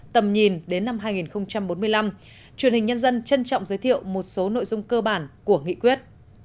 tầm nhìn đến năm hai nghìn bốn mươi năm truyền hình nhân dân trân trọng giới thiệu một số nội dung cơ bản của nghị quyết